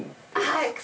はい。